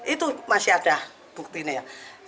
itu masih ada buktinya ya